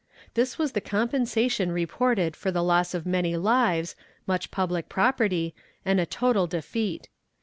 This was the compensation reported for the loss of many lives, much public property, and a total defeat.